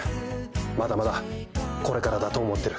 まだまだこれからだと思ってる。